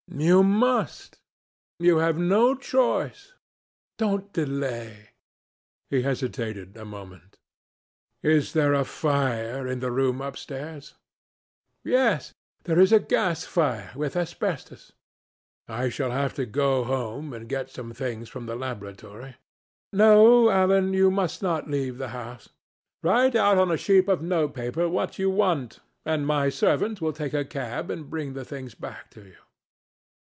"You must. You have no choice. Don't delay." He hesitated a moment. "Is there a fire in the room upstairs?" "Yes, there is a gas fire with asbestos." "I shall have to go home and get some things from the laboratory." "No, Alan, you must not leave the house. Write out on a sheet of notepaper what you want and my servant will take a cab and bring the things back to you."